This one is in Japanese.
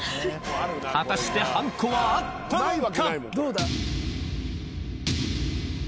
果たしてはんこはあったのか？